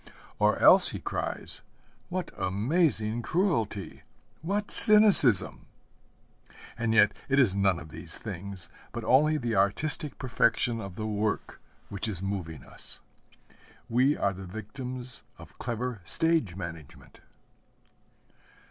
Or else he cries, 'What amazing cruelty, what cynicism!' And yet it is none of these things, but only the artistic perfection of the work which is moving us. We are the victims of clever stage management.